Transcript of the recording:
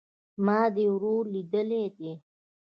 ما دي ورور ليدلى دئ